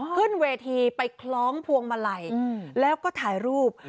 ขึ้นเวทีไปคล้องพวงมาลัยแล้วก็ถ่ายรูป